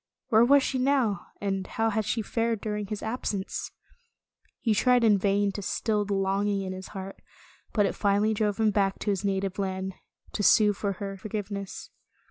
Where was she now, and how had she fared during his absence ? He tried in vain to still the longing in his heart, but it finally drove him back to his native land, to sue for her forgiveness.